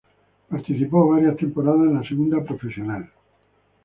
Participó varias temporadas en la segunda profesional.